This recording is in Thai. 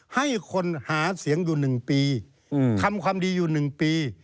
ให้คนหาเสียงอยู่๑ปีทำความดีอยู่๑ปี